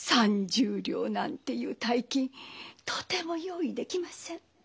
３０両なんていう大金とても用意できません。